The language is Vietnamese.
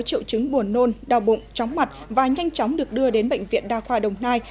triệu chứng buồn nôn đau bụng chóng mặt và nhanh chóng được đưa đến bệnh viện đa khoa đồng nai